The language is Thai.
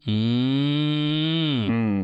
อืม